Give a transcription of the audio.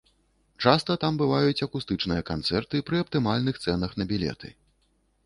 Часта там бываюць акустычныя канцэрты пры аптымальных цэнах на білеты.